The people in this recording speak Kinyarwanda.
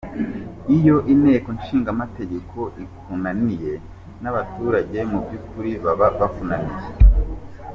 Iyo inteko nshingamategeko ikunaniye, n’abaturage mu byukuri baba bakunaniye.